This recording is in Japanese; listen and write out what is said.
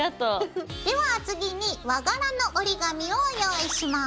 では次に和柄の折り紙を用意します。